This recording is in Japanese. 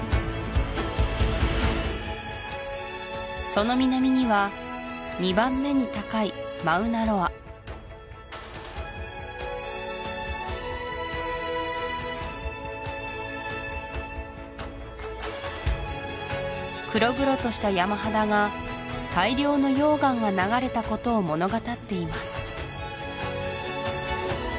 その南には２番目に高いマウナ・ロア黒々とした山肌が大量の溶岩が流れたことを物語っています